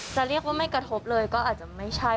จะเรียกว่าไม่กระทบเลยก็อาจจะไม่ใช่